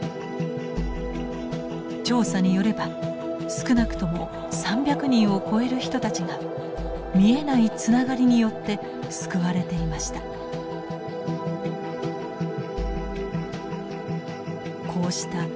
調査によれば少なくとも３００人を超える人たちが見えないつながりによって救われていました。